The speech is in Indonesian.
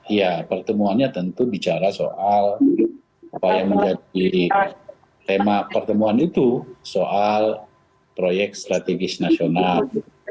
ya pertemuannya tentu bicara soal apa yang menjadi tema pertemuan itu soal proyek strategis nasional